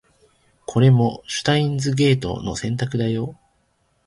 これもシュタインズゲートの選択だよ